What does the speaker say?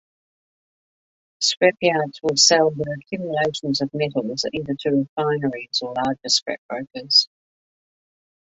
Scrapyards will sell their accumulations of metals either to refineries or larger scrap brokers.